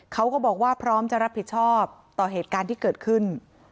เขาก็บอกว่าพร้อมจะรับผิดชอบต่อเหตุการณ์ที่เกิดขึ้น